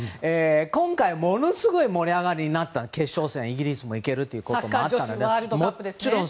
今回、ものすごい盛り上がりになった決勝戦でイギリスもいけるということだったので。